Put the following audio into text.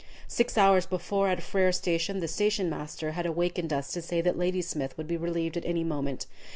Six hours before, at Frere Station, the station master had awakened us to say that Ladysmith would be relieved at any moment.